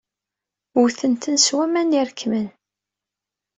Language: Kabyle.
Wwten-ten s waman irekmen.